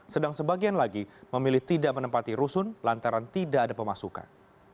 sedang sebagian lagi memilih tidak menempati rusun lantaran tidak ada pemasukan